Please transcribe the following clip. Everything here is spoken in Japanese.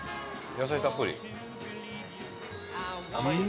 野菜たっぷり。